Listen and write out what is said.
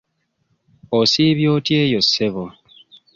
Osiibye otya eyo ssebo?